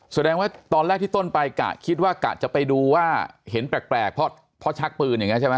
แสดงว่าตอนแรกที่ต้นไปกะคิดว่ากะจะไปดูว่าเห็นแปลกเพราะชักปืนอย่างนี้ใช่ไหม